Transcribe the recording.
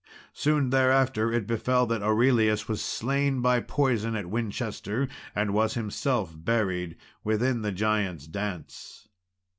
Soon thereafter it befell that Aurelius was slain by poison at Winchester, and was himself buried within the Giants' Dance.